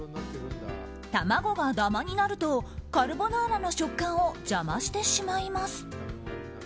卵がダマになるとカルボナーラの食感を邪魔してしまいます。